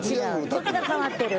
曲が変わってる。